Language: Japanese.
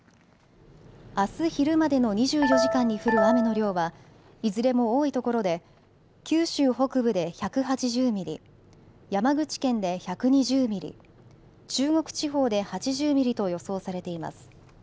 あす昼までの２４時間に降る雨の量はいずれも多いところで九州北部で１８０ミリ、山口県で１２０ミリ、中国地方で８０ミリと予想されています。